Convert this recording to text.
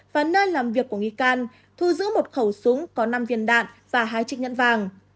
và nơi làm việc của nghi can thu giữ một khẩu súng có năm viên đạn và hai chiếc nhẫn vàng